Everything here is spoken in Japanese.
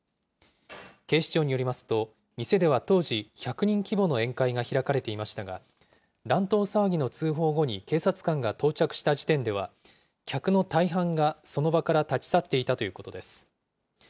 警視庁によりますと、店では当時、１００人規模の宴会が開かれていましたが、乱闘騒ぎの通報後に警察官が到着した時点では、客の大半がその場から立ち去っていたということです。